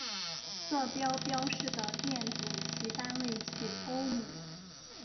色码标示的电阻其单位取欧姆。